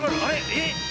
えっ？